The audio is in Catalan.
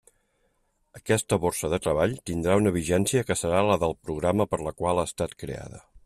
Aquesta borsa de treball tindrà una vigència que serà la del programa per la qual ha estat creada.